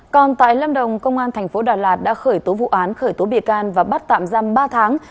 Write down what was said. còn tại lâm đồng công an thành phố đà lạt đã khởi tố vụ án khởi tố bị can và bắt tạm giam ba tháng